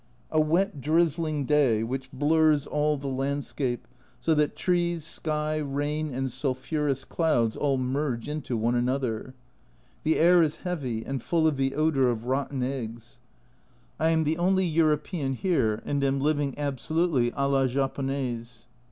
A wet drizzling day, which blurs all the landscape, so that trees, sky, rain and sulphurous clouds all merge into one another. The air is heavy, and full of the odour of rotten eggs. I am the only European here, and am living absolutely a la Japonaise.